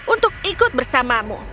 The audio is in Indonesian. untuk ikut bersamamu